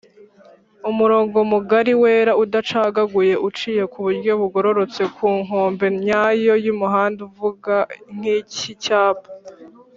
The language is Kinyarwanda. umurongo mugari wera udacagaguye uciye kuburyo bugororotse kunkombe nyayo y’umuhanda uvuga nk’icyicyapa